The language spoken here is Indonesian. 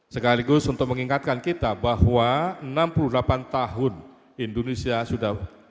sekaligus untuk mengingatkan kita bahwa enam puluh delapan tahun indonesia sudah